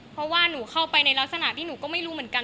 เพราะว่าหนูเข้าไปในลักษณะที่หนูก็ไม่รู้เหมือนกัน